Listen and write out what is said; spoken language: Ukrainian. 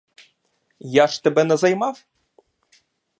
Я ж тебе не займав?